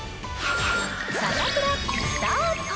サタプラ、スタート。